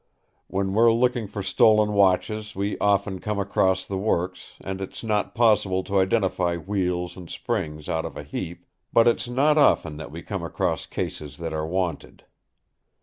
When we're looking for stolen watches we often come across the works, and it's not possible to identify wheels and springs out of a heap; but it's not often that we come across cases that are wanted.